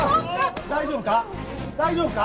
大丈夫か？